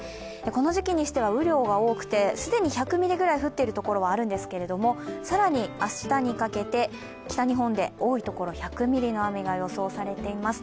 この時期にしては雨量が多くて既に１００ミリぐらい降っているところもあるんですけれども更に明日にかけて、北日本で多いところ１００ミリの雨が予想されています。